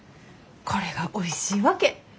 これがおいしいわけ！